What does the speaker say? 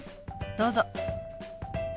どうぞ。